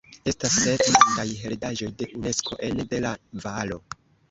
Estas sep Mondaj heredaĵoj de Unesko ene de la valo.